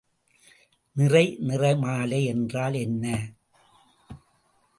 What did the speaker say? நிறை நிறமாலை என்றால் என்ன?